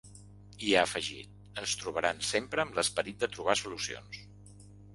I ha afegit: “ens trobaran sempre amb l’esperit de trobar solucions”.